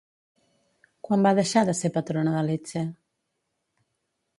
Quan va deixar de ser patrona de Lecce?